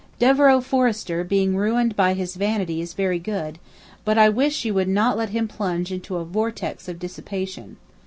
'Devereux Forrester being ruined by his vanity is very good: but I wish you would not let him plunge into a "vortex of dissipation."